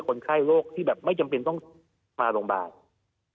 คนไข้โรคที่แบบไม่จำเป็นต้องมาโรงพยาบาล